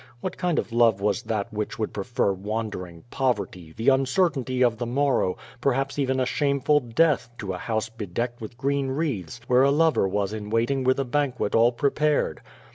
What kind of love was that which would pre fer wandering, poverty, the uncertainty of the morrow, per haps even a shameful death, to a house bedecked with green Avreaths where a lover was in waiting with a banquet all pre pared?